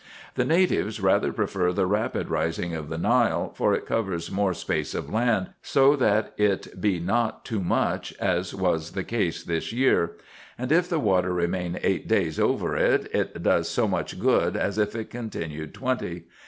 The natives rather prefer the rapid rising of the Nile, for it covers more space of land, so that it be not too much, as was the case this year ; and if the water remain eight days over it, it does as much good as if it continued twenty.